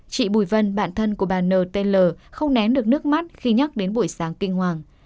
chị bùi vân bạn thân của bà nt không nén được nước mắt khi nhắc đến buổi sáng kinh hoàng